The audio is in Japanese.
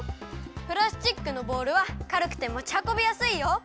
プラスチックのボウルはかるくてもちはこびやすいよ！